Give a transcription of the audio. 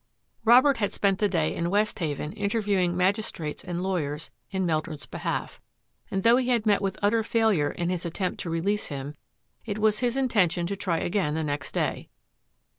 Robert had spent the day in Westhaven inter viewing magistrates and lawyers in Meldrum's be half, and though he had met with utter failure in his attempt to release him, it was his intention to try again the next day.